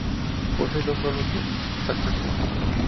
Posee dos solos de saxofón.